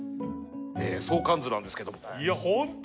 相関図なんですけどもいや本当